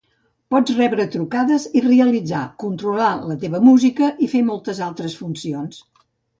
Pots rebre trucades i realitzar, controlar la teva música i fer moltes altres funcions.